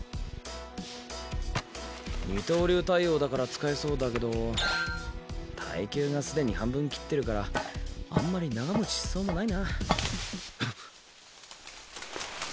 二刀流対応だから使えそうだけど耐久がすでに半分切ってるからあんまり長持ちしそうもないな。